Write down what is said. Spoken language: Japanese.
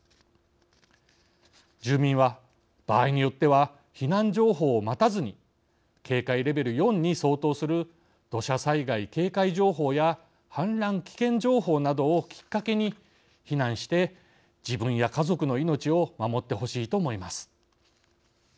住民は場合によっては避難情報を待たずに警戒レベル４に相当する土砂災害警戒情報や氾濫危険情報などをきっかけに避難して自分や家族の命を守ってほしいと思います。